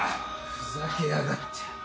ふざけやがって。